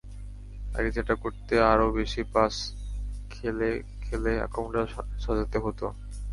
আগে যেটা করতে আরও বেশি পাস খেলে খেলে আক্রমণটা সাজাতে হতো।